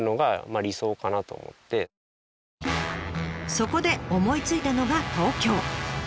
そこで思いついたのが東京。